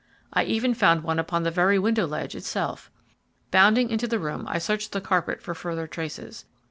I even found one upon the very window ledge itself. Bounding into the room, I searched the carpet for further traces.